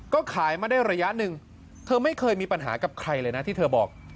ก็ขายมาได้ระยะหนึ่งเธอไม่เคยมีปัญหากับใครเลยนะที่เธอบอก